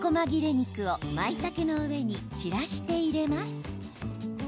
肉をまいたけの上に散らして入れます。